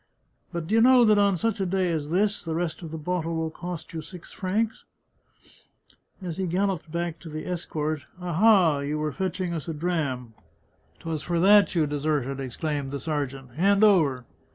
" But d'ye know that on such a day as this the rest of the bottle will cost you six francs ?" As he galloped back to the escort, " Aha ! you were fetching us a dram. 'Twas for that you deserted !" ex claimed the sergeant. " Hand over